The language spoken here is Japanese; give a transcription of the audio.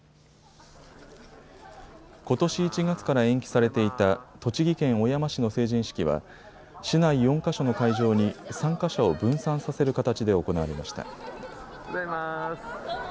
ことし１月から延期されていた栃木県小山市の成人式は市内４か所の会場に参加者を分散させる形で行われました。